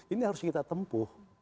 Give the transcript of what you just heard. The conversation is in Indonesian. ini harus kita tempuh